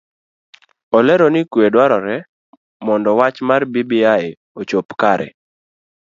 Olero ni kue dwarore mondo wach mar bbi ochop kare.